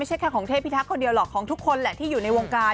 แค่ของเทพิทักษ์คนเดียวหรอกของทุกคนแหละที่อยู่ในวงการ